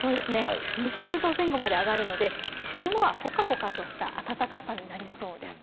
２０度前後まで上がるので昼間はぽかぽかとした暖かさになりそうです。